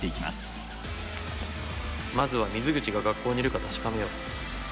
まずは水口が学校にいるか確かめよう。